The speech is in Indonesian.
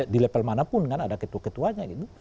di level manapun kan ada ketua ketuanya gitu